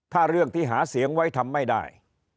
ถ้าเรื่องที่หาเสียงไว้ทำไม่ได้